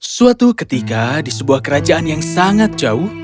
suatu ketika di sebuah kerajaan yang sangat jauh